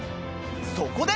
そこで！